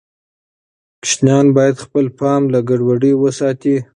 ماشومان باید خپل پام له ګډوډۍ وساتي.